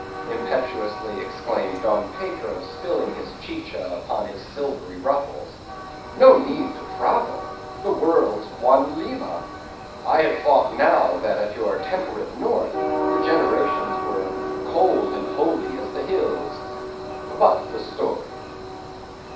impetuously exclaimed Don Pedro, spilling his chicha upon his silvery ruffles. 'No need to travel! The world's one Lima. I had thought, now, that at your temperate North the generations were cold and holy as the hills.—But the story.